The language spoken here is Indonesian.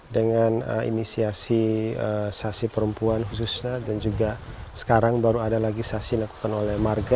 dengan inisiasi perempuan khususnya dan juga sekarang baru ada lagi saksi yang dilakukan oleh marga